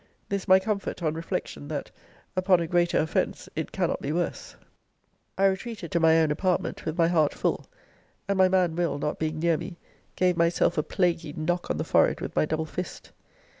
This my comfort, on reflection, that, upon a greater offence, it cannot be worse. I retreated to my own apartment, with my heart full: and, my man Will not being near me, gave myself a plaguy knock on the forehead with my double fist.